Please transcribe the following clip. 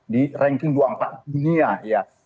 di ranking dua puluh empat dunia ya